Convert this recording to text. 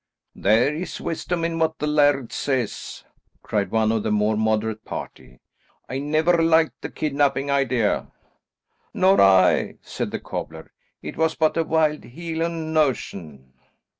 "There is wisdom in what the laird says," cried one of the more moderate party. "I never liked the kidnapping idea." "Nor I," said the cobbler. "It was but a wild Hielan' notion."